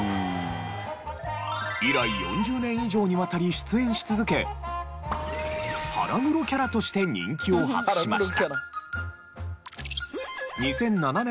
以来４０年以上にわたり出演し続け腹黒キャラとして人気を博しました。